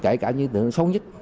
kể cả những tình huống xấu nhất